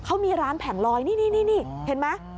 เขามีร้านแผงลอยนี่เห็นไหม